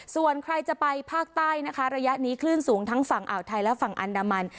ส่วนใครจะไปภาคใต้นะคะระยะนี้คลื่นสูงทั้งฝั่งอ่าวไทยและฝั่งอันดามัน